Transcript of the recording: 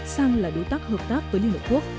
sang là đối tác hợp tác với liên hợp quốc